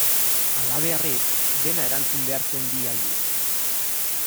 Halabeharrez dena erantzun behar zen bi aldiz.